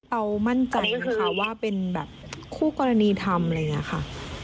เอามั่นใจค่ะว่าเป็นแบบคู่กรณีทำอะไรอย่างนี้ค่ะ